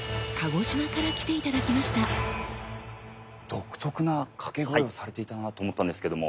独特な掛け声をされていたなと思ったんですけども。